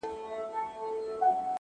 څوک ده چي راګوري دا و چاته مخامخ يمه ـ